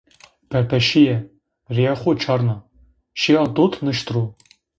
Perpeşiye, riyê xo çarna, şi a dot nişt ro.